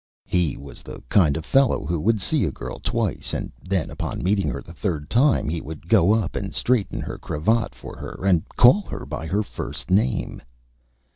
He was the Kind of Fellow who would see a Girl twice, and then, upon meeting her the Third Time, he would go up and straighten her Cravat for her, and call her by her First Name.